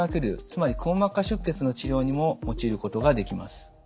つまりくも膜下出血の治療にも用いることができます。